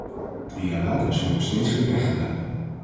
Drie jaar laten is hun nog steeds geen recht gedaan.